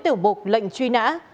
tiểu một lệnh truy não